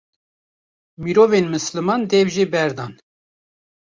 mirovên misliman dev jê berdan.